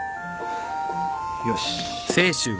よし。